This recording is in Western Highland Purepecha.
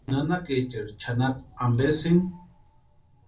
¿Nanakaecheri chʼanakwa ampesïni?